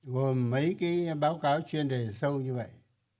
gồm mấy cái báo cáo chuyên đề sâu như vậy